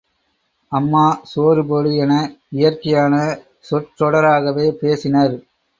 அம்மா சோறு போடு என இயற்கையான சொற்றொடராகவே பேசினர்.